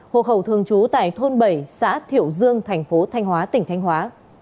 hộ khẩu thường trú tại thôn bảy xã thiệu dương thành phố thanh hóa tỉnh thanh hóa